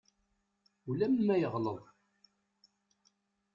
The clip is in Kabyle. Ulamma yeɣleḍ.